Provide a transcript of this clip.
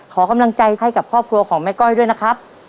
ขอกำลังใจให้กับครอบครัวของแม่ก้อยด้วยนะครับ